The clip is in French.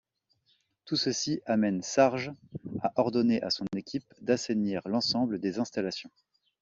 Tout ceci amène Sarge à ordonner à son équipe d'assainir l'ensemble des installations.